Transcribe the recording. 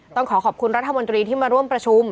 ต้องขอขอบคุณรัฐมนตรีที่มาร่วมประชุม